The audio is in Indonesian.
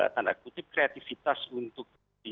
tanda kutip kreativitas untuk